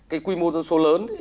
cái quy mô dân số lớn